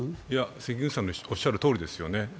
関口さんのおっしゃるとおりですよね。